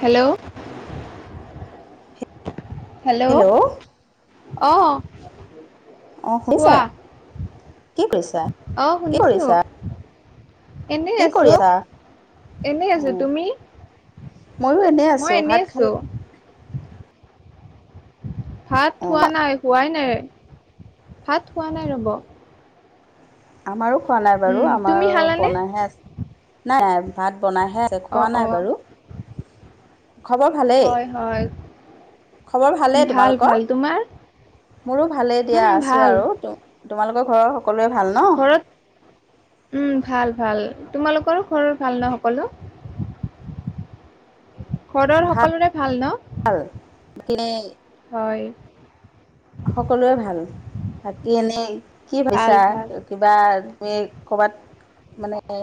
Hello. Hello অ'। অ শুনিছা কোৱা কি কৰিছা অ' কি শুনিছোঁ। কৰিছা এনেই কি কৰি আছো, আছা এনে আছো। তুমি? মইও এনে মই আছো। এনেই ভাত খাল আছো ভাত অ খোৱা নাই, হোৱাই নাই ভাত হোৱা নাই ৰ'ব। আমাৰো খোৱা নাই বাৰু উম আমাৰ তুমি খালানে বনায়হে আছে নাই নাই ভাত বনাইহে আছে অ খোৱা নাই অ বাৰু খবৰ ভালেই। হয় হয় খবৰ ভালেই ভাল তোমালোকৰ? ভাল তোমাৰ মোৰো ভালেই দিয়া উম আছো ভাল আৰু তোমালোকৰ ঘৰৰ সকলোৱে ঘৰত, উম ভাল ভাল। তোমালোকৰ ঘৰত ভাল ন সকলো? ঘৰৰ সকলোৰে ভাল ন, বাকী হয়। সকলোৱে ভাল, বাকী এনেই কি ভাল পাইছা ভাল কিবা? আমি ক'ৰবাত মানে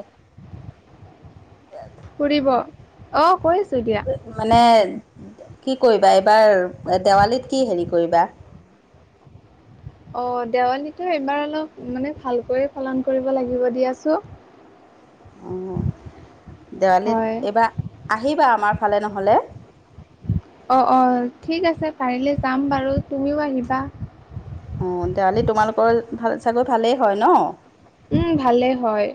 ফুৰিব, অঁ কৈছ মানে কি কৰিবা এইবাৰ, দেৱালীত কি হেৰি কৰিবা? অ দেৱালীটো এইবাৰ অলপ মানে ভালকৈ পালন কৰিব লাগিব দিয়াচো [inaudible] অঁ দেৱালীত হয় এইবাৰ আহিবা আমাৰ ফালে নহলে। অঁ অঁ ঠিক আছে পাৰিলে যাম বাৰু তুমিও আহিবা। অঁ দেৱালীত তোমালোকৰ ফালে চাগে ভালেই হয় ন? উম ভালে হয়।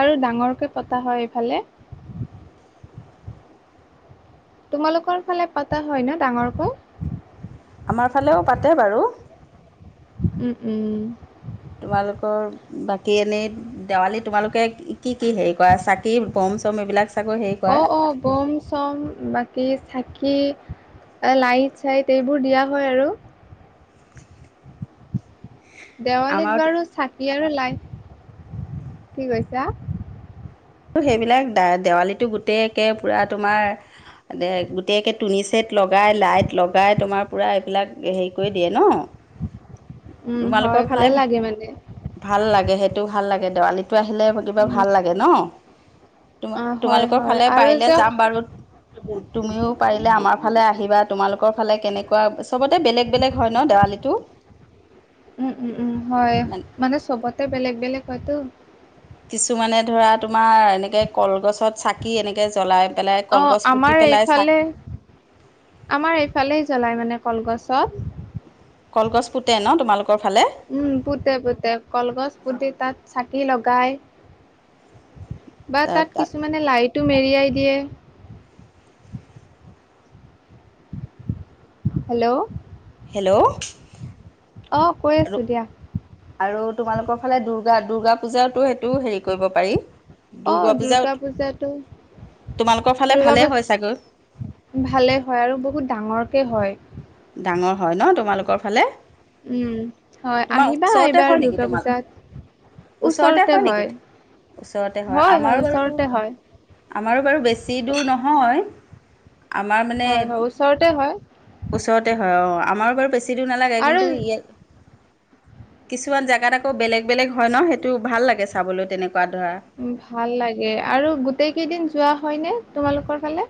আৰু ডাঙৰকৈ পতা হয় এইফালে। তোমালোকৰ ফালে পতা হয় ন ডাঙৰকৈ? আমাৰ ফালেও পাতে বাৰু উম উম। তোমালোকৰ বাকী এনেই দেৱালী তোমালোকে কি কি হেৰি কৰা চাকি বম চম এইবিলাক চাগৈ হেৰি কৰা অঁ অঁ বম-চম বাকী চাকি কি লাইট চাইট এইবোৰ দিয়া হয় আৰু দেৱালীত আমাৰ বাৰু চাকি আৰু লাই, কি কৈছা? সেইবিলাক দেৱালীটো গোটেই একে পুৰা তোমাৰ দে গোটেইকে তুনিচেট লগাই লাইট লগাই তোমাৰ পুৰা এইবিলাক হেৰি কৰি দিয়ে ন? উম হয় তোমালোকৰ ভাল ফালে লাগে মানে [inaudible] ভাল লাগে সেই টো ভাল লাগে দেৱালীটো আহিলে কিবা উম ভাল লাগে ন? তোমা অ হয় তোমালোকৰ হয় ফালে আৰু পাৰিলে যে যাম বাৰু। তুমিও পাৰিলে আমাৰ ফালে আহিবা তোমালোকৰ ফালে কেনেকুৱা চবতে বেলেগ বেলেগ হয় ন দে কালিটো উম উম উম হয় মানে চবতে বেলেগ বেলেগ হয়তো। কিছুমানে ধৰা তোমাৰ এনেকে কলগছত চাকি এনেকে জ্বলাই পেলাই অ', কলগছ আমাৰ পুতি পেলাই এইফালে চাকি [inaudible] আমাৰ এইফালেই জ্বলায় মানে কলগছত। কলগছ পুতে ন তোমালোকৰ? ফালে উম পুতে পুতে, কলগছ পুতি তাত চাকি লগাই বা তাত কিছুমানে লাইট টো মেৰিয়াই দিয়ে। হেল্ল'। হেল্ল'। অঁ কৈ আৰু আছো দিয়া। আৰু তোমালোকৰ ফালে দূৰ্গা দূৰ্গা পূজা সেইটো হেৰি কৰিব পাৰি। অঁ দুৰ্গা পূজাটো তোমালোকৰ ফালে দুৰ্গা ভালেই হয় চাগৈ পূজা ভালে হয় আৰু বহুত ডাঙৰকে হয়। ক'ৰ ফালে? উম হয় তোমাৰ আহিবা ওচৰতে এইবাৰ হয় নেকি দুূৰ্গা তোমাল পূজাত। ওচৰতে হয়। ওচৰতে হয় আমাৰো বাৰু, আমাৰো বাৰু বেছি দূৰ নহয়। আমাৰ মানে হয় হয় ওচৰতে হয় ওচৰতে হয় অ আমাৰো বাৰু বেছি দূৰ নালাগে কিন্তু আৰু ইয়াত কিছুমান জোগাত আকৌ বেলেগ বেলেগ হয় ন সেইটো ভাল লাগে চাবলৈ তেনে ভাল লাগে আৰু গোটেই কেইদিন যোৱা হয় নে তোমালোকৰ ফালে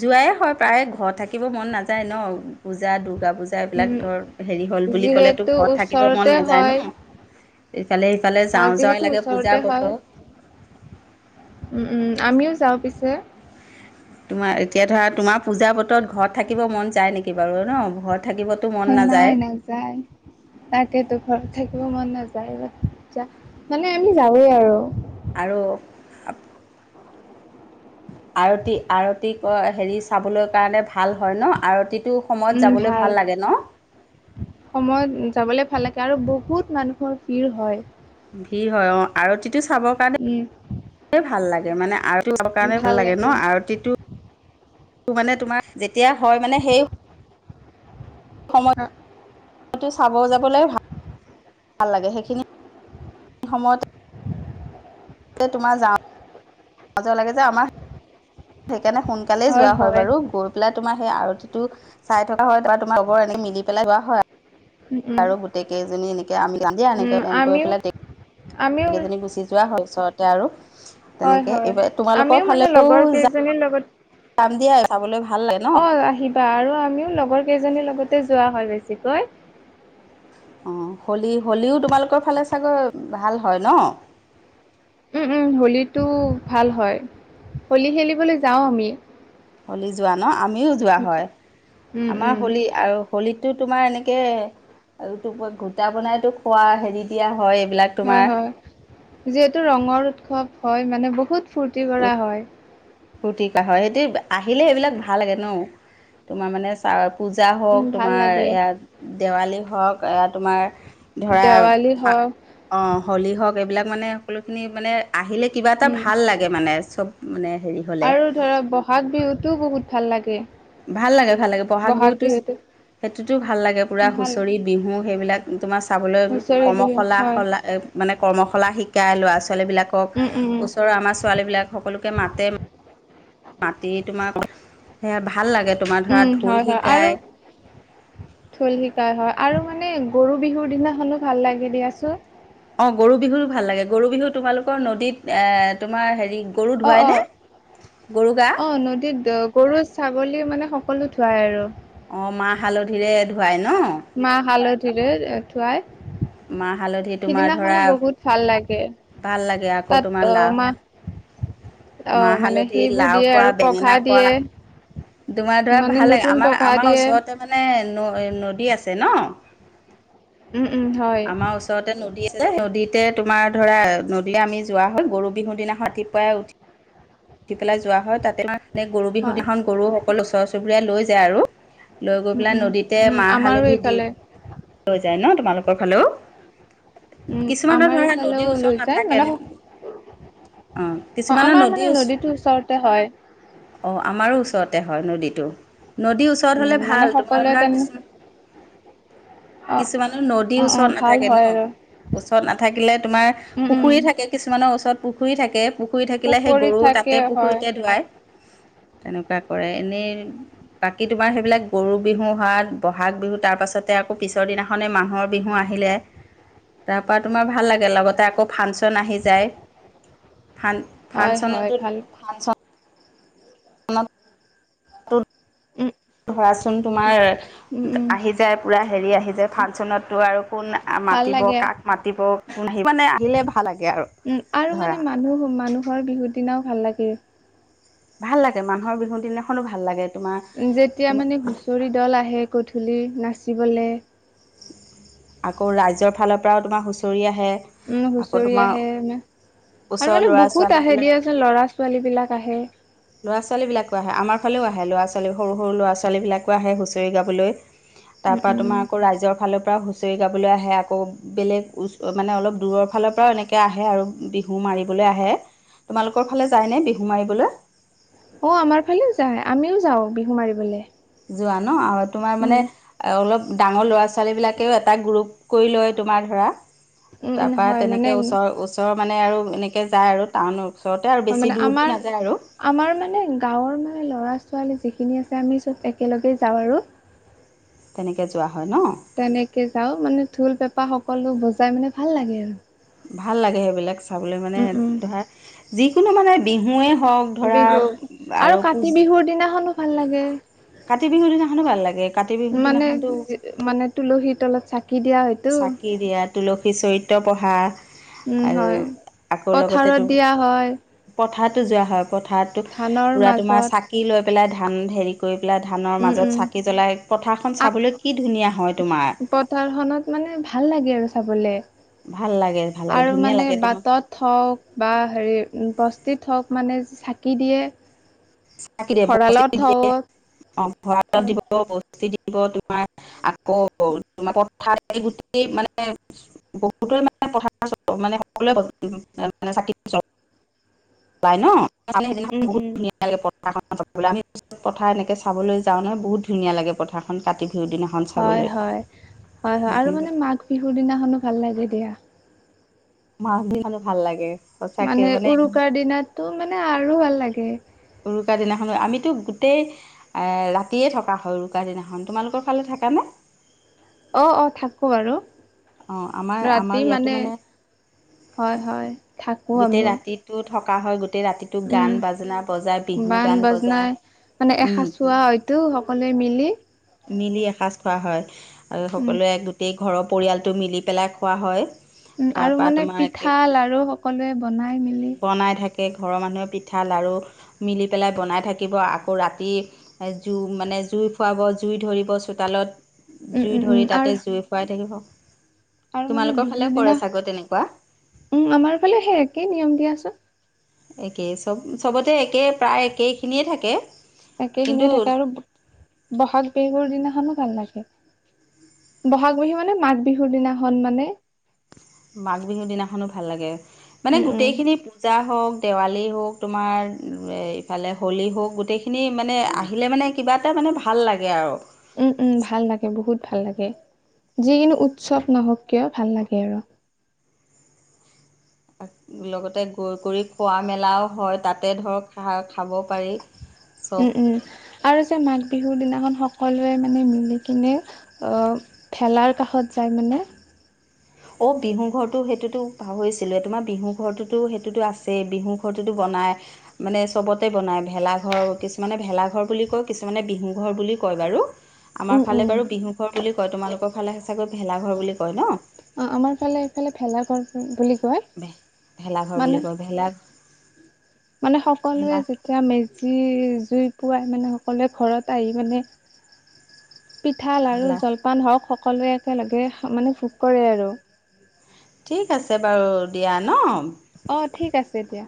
যোৱাই হয় প্ৰায় ঘৰ থাকিব মন নাযায় ন পূজা টো দুৰ্গা পূজা এইবিলাক উম, ধৰ হেৰি হ'ল বুলি ক'লেতো যিহেতু ঘৰত থাকিব ওচৰতে মন নাযায় হয়। ন ইফালে সিফালে অ যাওঁ যাওঁ যিহেতু লাগে পূজা ওচৰতে হয় বতৰ উম উম আমিও যাওঁ পিছে তোমাৰ এতিয়া ধৰা তোমাৰ পূজা বতৰত ঘৰত থাকিব মন যায় নেকি বাৰু ন ঘৰত থাকিবতো মন নাযায় নাই নাযায় তাকেতো ঘৰত থাকিব মন নাযায়। যা মানে আমি যাওৱে আৰু। আৰু। আৰতি আৰতি ক হেৰি চাবলৈ কাৰণে ভাল হয় ন আৰতি উম ভাল সময়ত যাবলৈ ভাল লাগ গে আৰু বহুত মানুহৰ ভিৰ হয়। ভিৰ হয়, অ আৰতিটো চাব উম, কাৰণে ভাল লাগে মানে আৰতিটো চাব কাৰণে ভাল লাগে ন, আৰতিটো টো মানে তোমাৰ যেতিয়া হয় মানে সেই সময়ত চাব যাবলৈ ভা, ভাল লাগে সেইখিনি। সময়ত। তোমাৰ যা পাজৰ লাগে যে আমাৰ সেইকাৰণে সোনকালেই যোৱা হয় বাৰু গৈ পেলাই তোমাক সেই আৰতিতোত চাই থকা হয় তাত তোমাৰ চবৰ এনে মিলি পেলাই চোৱা হয়। উম, উম, আৰু গোটেই কেইজনী এনেকে [unintelligible] উম, এনেকে প্লেন কৰি আমিও পেলাই আমিও সেকেইজনী গুচি যোৱা হয় ওচৰতে আৰু। হয় তেনেকে হয় এইবাৰ আমিও তোমালোকৰ মানে ফালেও লগৰ যা কেইজনীৰ লগত পাম দিয়া চাবলৈ। অ আহিবা আৰু আমিও লগৰ কেইজনীৰ লগতে যোৱা হয় বেছিকৈ। অঁ হোলী, হোলীও তোমালোকৰ ফালে চাগৈ ভাল হয় ন। উম উম হোলীটো ভাল হয়, হোলী খেলিবলৈ যাওঁ আমি। হোলী যোৱা ন আমিও যোৱা হয়, উম আমাৰ উম হোলী আৰু হোলীটোত তোমাৰ এনেকে এইটো গোটা বনাইতো খোৱা হেৰি দিয়া হয়। এইবিলাক হয় হয় তোমাৰ যিহেতু ৰঙৰ উৎসৱ হয় মানে বহুত ফূৰ্তি কৰা হয়। ফূৰ্তি কা হয় দেই আহিলে সেইবিলাক ভাল লাগে ন তোমাৰ মানে চা পূজা হওক উম ভাল তোমাৰ লাগে এৱাত দেৱালী হওক এৱা তোমাৰ ধৰা দেৱালী হওক অ হোলী হওক, এইবিলাক মানে সকলোখিনি মানে আহিলে কিবা এটা উম ভাল লাগে মানে চব মানে। হেৰি হ'লে আৰু ধৰক বহাগ বিহুতো বহুত ভাল লাগে। ভাল লাগে ভাল লাগে বহাগ বিহুতো সেইটোতো ভাল লাগে পুৰা ভাল হুঁচৰি বিহু মোৰ সেইবিলাক তোমাৰ চাবলৈ হুঁচৰি বিহু কৰ্মশালা হয় সলা স লা মানে কৰ্মশালা শিকাই লৰা ছো ছোৱালীবিলাকক উম উম উম ওচৰৰ আমাৰ ছোৱালীবিলাক সকলোকে মাতে মাতি তোমাক সেয়া ভাল লাগে, তোমাৰ ধৰা উম ঢোল হয় হয় আৰু শিকায় ঢোল শিকায় হয়। আৰু মানে গৰুবিহুৰ দিনাখনো ভাল লাগে দিয়াচোন। অ' গৰুবিহুটো ভাল লাগে। গৰুবিহু তোমালোকৰ নদীত এ- তোমাৰ হেৰি গৰু অ' ধুৱাই - নে অ'। গৰু গা অ' নদীত গৰু, ছাগলী মানে সকলো ধোৱায় আৰু। অ' মাহ - হালধিৰে ধোৱায় মাহ - হালধিৰে অ'- ধোৱায়। মাহ হালধি তোমাৰ ধৰা সিদিনাখনো বহুত ভাল লাগে। ভাল লাগে আকৌ তাত তোমাৰ অ লাও মাহ অ মাহ - মানে হালধি, সেইবোৰ লাও দিয়ে খোৱা, আৰু পঘা বেঙেনা দিয়ে খোৱা। তোমাৰ ধৰা মানে ভাল লাগে। নতুন আমাৰ- পঘা আমাৰ দিয়ে ওচৰতে মানে ন- নদী আ ছে ন'। উম উম হয় আমাৰ ওচৰতে নদী আছে। নদীত তে তোমাৰ ধৰা নদী আমি যোৱা হয়। গৰুবিহুৰ দিনা ৰাতিপুৱাই উঠি উঠি পেলাই যোৱা হয়। তাতে গৰুবিহু হয় দিনাখন গৰু সকলো ওচৰ চুবুৰীয়া লৈ যায় আৰু। লৈ গৈ উম পেলাই উম নদীতে উম মাহ- আমাৰো হালধি দি এইফালে লৈ যায় ন' তোমালোকৰ ফালেও? উম কিছুমানৰ আমাৰ ধৰা নদীৰ এইফালেও ওচৰত লৈ যায় নাথাকে মানে ন অ' কিছুমানৰ নদীৰ ওচ টো ওচৰতে হয়। অ' আমাৰো ওচৰতে হয় নদীটো। নদীৰ ওচৰত উম হ'লে মানে ভাল, তোমাৰ সকলোৱে ধৰা তেনে কিছুমান অ কিছুমানৰ নদীৰ অ', ওচৰত অ', ভাল নাথাকে ন'। হয় আৰু ওচৰত নাথাকিলে তোমাৰ উম, উম, পুখুৰী থাকে, কিছুমানৰ ওচৰত পুখুৰী থাকে। পুখুৰী থাকিলে সেই পুখুৰীত গৰু থাকে তাতে হয়, পুখুৰীতে ধুৱায়। তেনেকুৱা কৰে, এনেই বাকী তোমাৰ সেইবিলাক গৰু বিহু হাত বহাগ বিহু তাৰ পাছত। তে আকৌ পিছৰ দিনাখনেই মানুহৰ বিহু আহিলে। তাৰ পৰা তোমাৰ ভাল লাগে লগতে আকৌ ফাংচন আহি যায়। ফান হয়, হয়, ফাংচনতো, ভাল আ ৰ [unintelligible] উম, ধৰাচোন তোমাৰ উম, উম, আহি যায়, পুৰা হেৰি আহি যায় ফাংচনততো আৰু, কোন ভাল মাতিব লাগে। কাক মাতিব কোন আহ, মানে আহিলে ভা উম আৰু মানে মানুহ মানুহৰ বিহুৰ দিনাও ভাল লাগে। ভাল লাগে মানুহৰ বিহু দিনাখনো ভাল লাগে। তোমাৰ যেতিয়া মানে হুচৰি দল আহে গধূলি নাচিবলে। আকৌ ৰাইজৰ ফালৰ পৰাও তোমাৰ হুঁচৰি আহে। উম আকৌ হুঁচৰি তোমাৰ আহে। আৰু ওচৰৰ মানে ল'ৰা বহুত ছোৱালী আহে বিলাক দিয়াচোন ল'ৰা ছোৱালী বিলাক আহে। ল'ৰা ছোৱালীবিলাকো আহে আমাৰ ফালেও আহে ল'ৰা ছোৱালী সৰু সৰু ল'ৰা ছোৱালীবিলাকো আহে হুঁচৰি গাবলৈ। তাৰ উম, পৰা উম, তোমাৰ আকৌ ৰাইজৰ ফালৰ পৰাও হুচৰি গাবলৈ আহে আকৌ বেলেগ মানে অলপ দূৰৰ ফালৰ পৰাও এনেকে আহে আৰু, মাৰিবলৈ আহে, তোমালোকৰ ফালে যায় নে বিহু মাৰিবলৈ। অ আমাৰ ফালেও যায়, আমিও যাওঁ বিহু মাৰিবলে। যোৱা ন আৰু তোমাৰ উম। মানে অলপ, ডাঙৰ ল'ৰা ছোৱালীবিলাকেও এটা গ্ৰুপ কৰি লয় তোমাৰ ধৰা। উম, উম, তাৰপৰা হয় তেনেকে মানে ওচৰৰ ওচৰৰ মানে আৰু এনেকে যায় আৰু টাউন, হয় মানে আমাৰ- আমাৰ মানে গাঁৱৰ মানে ল'ৰা ছোৱালী যিখিনি আছে, আমি চব একেলগে যাওঁ আৰু। তেনেকে যোৱা হয় ন তেনেকে যাওঁ মানে ঢোল, পেঁপা সকলো বজাই মানে ভাল লাগে আৰু। ভাল লাগে সেইবিলাক চাবলৈ মানে উম উম। ধৰা, যিকোনো মানে বিহুৱে বিহু। আৰু কাতি বিহুৰ দিনাখনো ভাল লাগে। কাতি বিহুৰ দিনাখনো ভাল লাগে কাতি বিহুৰ দিনাখনতো মানে- মানে তুলসীৰ তলত চাকি দিয়া হয়তো চাকি দিয়া, তুলসীৰ চৰিত্ৰ পঢ়া উম আৰু হয়। আকৌ পথাৰত লগতেটো দিয়া হয় পথা তো যোৱা হয়। পথাৰতো ধানৰ পুৰা তোমাৰ মাজত চাকি লৈ পেলাই ধান হেৰি কৰি পেলাই ধানৰ উম মাজত উম। চাকি জ্বলাই পথাৰখন আক চাবলৈ কি ধুনীয়া হয় তোমাৰ পথাৰখনত মানে ভাল লাগে আৰু চাবলে। ভাল লাগে ভাল লাগে আৰু ধুনীয়া মানে লাগে তোমাৰ বাটত হওঁক বা হেৰি বস্তিত হওঁক মানে চাকি দিয়ে চাকি দিয়ে, ভঁৰালত বস্তিত দিয়ে। হওক অ, ভঁৰালত দিব। [unintelligible] [unintelligible] পথাৰ [unintelligible] মানে, সকলোৱো ব-চাকি জ্বলাই নহ। মানে, সেইদিনা উম খন বহুত উম ধুনিয়া। [unintelligible] পথাৰ খন চাবলৈ গলে। আমি পথাৰ এনেকে চাবলৈ যাওঁ নহওঁ, বহুত ধুনীয়া লাগে পথাৰখন কাটি। হয়, হয়। হয়, হয়। আৰু মানে, মাঘ বিহুৰ দিনাখনো ভাল লাগে দিয়া। মাছ দি খালে, ভাল লাগে। মানে উৰুকাৰ দিনাটো, মানে আৰু ভাল লাগে। উৰুকাৰ দিনাখনো। আমিতো গোটেই ৰাতিয়ে থকা হয় উৰুকাৰ দিনাখন, তোমালোকৰ ফালে থাকানে? [unintelligible] অ', অ, থাকো বাৰু। অঁ আমাৰ আমাৰ ৰাতি ইয়াতো মানে হয়, হয়। থাকো গোটেই আমিও। ৰাতিটো থকা হয়, গোট। গোটেই ৰাতিটো উম গান বাজনা বজাই, বিহু বান গান বজাই, বাজনাই মানে উম। এসাঁচোৱা হয়তো সকলোৱে মিলি। মিলি এসাঁজ খোৱা হয়। আৰু, সকলোৱে উম গোটেই। ঘৰৰ পৰিয়ালটো মিলি পেলাই খোৱা হয়। উম, আৰু তাৰপৰা মানে তোমাৰ একে পিঠা লাৰু সকলোৱে বনাই মেলি। গোটেই ঘৰৰ মানুহে পিঠা, লাৰু মিলি পেলাই বনাই থাকিব। আকৌ, ৰাতি এজো মানে। জুই ফুৱাব, জুই ধৰিব চোতালত। উম জুই উম উম ধৰি, আৰু তাতে জুই ফুৱাই থাকিব। আৰু মানে, তোমালোকৰ ফালেও বিহুৰ কৰে দিনা। চাগৈ তেনেকুৱা উম, আমাৰ ফালে সেই একেই নিয়ম দিয়াচোন। একেই চব, চবতে একেই প্ৰায় একেইখিনিয়ে থাকে। একে খিনিয়ে কিন্তু থাকে, আৰু ব-বহাগ বিহুৰ দিনাখনো। ভাল লাগে। বহাগ বিহু মানে, মাঘ বিহুৰ দিনাখন মানে। মাঘ বিহুৰ দিনাখনো ভাল লাগে, মানে উম উম গোটেই খিনি পূজা। হওক, দেৱালী হওক, তোমাৰ ইফালে হলী হওক গোটেইখিনি। খিনি মানে, আহিলে মানে কিবা এটা মানে ভাল লাগে আৰু। উম, উম ভাল লাগে বহুত। ভাল লাগে। যিকোনো উৎসৱ নহওক কিয়, ভাল লাগে আৰু। [unintelligible] লগতে গৈ [unintelligible] কৰি খোৱা মেলাও হয়, তাতে ধৰ। [unintelligible] উম, উম, আৰু যে মাঘ বিহুৰ দিনা। সকলোৱে মানে মিলি কিনে, অ'ভেলাৰ কাষত যাই মানে। অ', বিহু ঘৰটো সেইটোতো পাহৰিছিলো এ, তোমাৰ বিহু ঘৰটোতো সেইটোতো আছে, বিহু ঘৰটোতো। বনাই, মানে চবতে বনাই ভেলাঘৰ। কিছুমানে ভেলাঘৰ বুলি কয়, কিছুমানে বিহু ঘৰ বুলি। কয় বাৰু। আমাৰ উম উম ফালে বাৰু বিহু ঘৰ বুলি কয়, তোমালোকৰ ফালেহে চাগৈ ভেলাঘৰ বুলি কয় নহ? অ', আমাৰ ফালে এইফালে ভেলাঘৰ বুলি। কয় ভে-ভেলাঘৰ মানে বুলি কয়, ভেলা। মানে, সকলোৱে ভেলা যেতিয়া মেজি জুইত। পুৱাই মানে সকলোৱে ঘৰত আহি মানে, পিঠা, লাৰু ভেলা জলপান হওক সক। সকলোৱে একেলগে মানে, ভোগ কৰে আৰু। ঠিক আছে বাৰু, দিয়া নহ? অ', ঠিক আছে দিয়া।